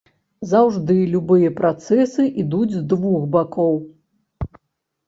Заўжды любыя працэсы ідуць з двух бакоў.